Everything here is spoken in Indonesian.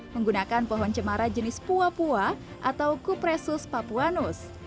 menggunakan pohon cemara jenis pua pua atau kupressus papuanus